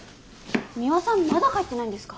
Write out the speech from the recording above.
ミワさんまだ帰ってないんですか？